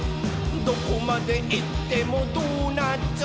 「どこまでいってもドーナツ！」